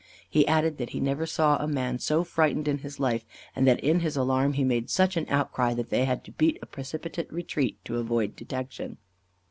He added, that he never saw a man so frightened in his life; and that in his alarm, he made such an outcry, that they had to beat a precipitate retreat, to avoid detection.